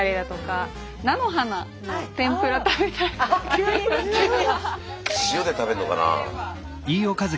急に急に。